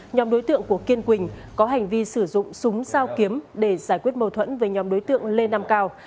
nhóm đối tượng của kiên quỳnh có hành vi sử dụng súng sao kiếm để giải quyết mâu thuẫn với nhóm đối tượng lê nam cao